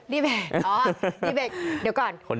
ดีเบจอ่าดีเบจเดี๋ยวก่อน